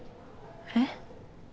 えっ？